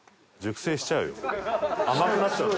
甘くなっちゃうよ。